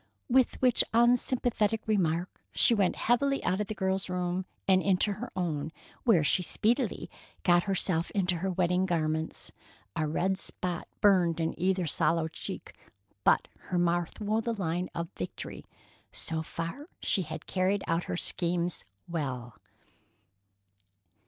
With which unsympathetic remark, she went heavily out of the girl's room, and into her own, where she speedily got herself into her wedding garments. A red spot burned in either sallow cheek, but her mouth wore the line of victory. So far she had carried out her schemes well.